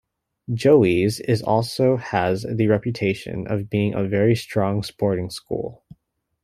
Joeys is also has the reputation of being a very strong sporting school.